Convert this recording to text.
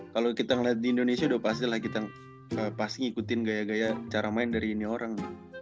kalau kita ngeliat di indonesia udah pasti lah kita pasti ngikutin gaya gaya cara main dari ini orang